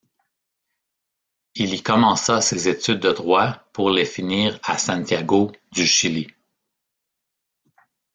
Il y commença ses études de droit pour les finir à Santiago du Chili.